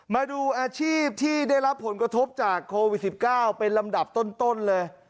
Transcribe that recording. มาดูอาชีพที่ได้รับผลกระทบจากโควิด๑๙เป็นลำดับต้นเลย